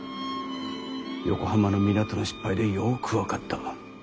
横浜の港の失敗でよく分かった。